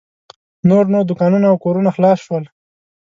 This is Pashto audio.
نور نو دوکانونه او کورونه خلاص شول.